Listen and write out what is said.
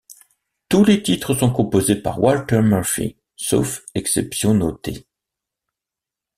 Tous les titres sont composés par Walter Murphy, sauf exception notée.